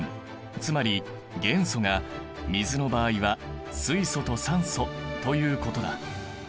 つまり元素が水の場合は水素と酸素ということだ。